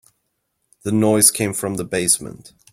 The noise came from the basement.